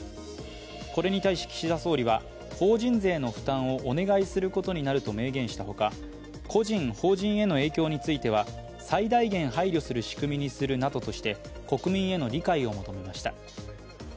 これに対し岸田総理は法人税の負担をお願いすることになると明言したほか個人、法人への影響については、最大限配慮する仕組みにするなどとして国民への理解を求めました。